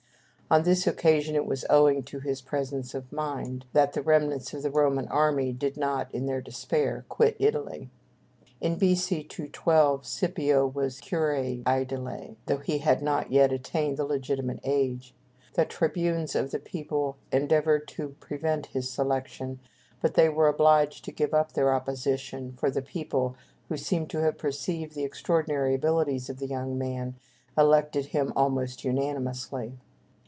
On this occasion it was owing to his presence of mind that the remnants of the Roman army did not, in their despair, quit Italy. In B.C. 212, Scipio was curule ædile, though he had not yet attained the legitimate age. The tribunes of the people endeavored to prevent his election, but they were obliged to give up their opposition, for the people, who seem to have perceived the extraordinary abilities of the young man, elected him almost unanimously.